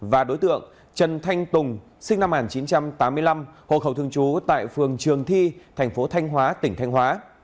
và đối tượng trần thanh tùng sinh năm một nghìn chín trăm tám mươi năm hộ khẩu thường trú tại phường trường thi thành phố thanh hóa tỉnh thanh hóa